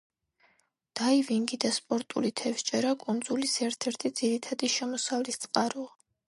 დაივინგი და სპორტული თევზჭერა კუნძულის ერთ-ერთი ძირითადი შემოსავლის წყაროა.